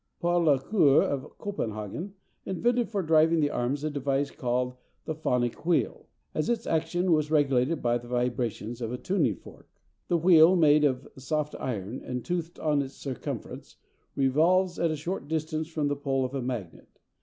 Paul la Cour of Copenhagen invented for driving the arms a device called the Phonic Wheel, as its action was regulated by the vibrations of a tuning fork. The wheel, made of soft iron, and toothed on its circumference, revolves at a short distance from the pole of a magnet.